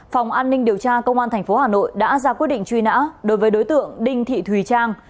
phòng an ninh điều tra công an tp hà nội đã ra quyết định truy nã đối với đối tượng đinh thị thùy trang